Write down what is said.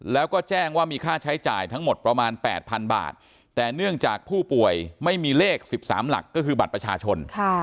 แล้วก็แจ้งว่ามีค่าใช้จ่ายทั้งหมดประมาณ๘๐๐๐บาทแต่เนื่องจากผู้ป่วยไม่มีเลข๑๓หลักก็คือบัตรประชาชน